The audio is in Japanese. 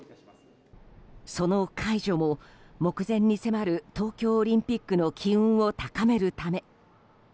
その解除も目前に迫る東京オリンピックの機運を高めるため。